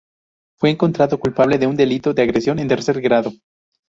Fue encontrado culpable de un delito de agresión en tercer-grado.